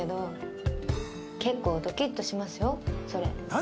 何？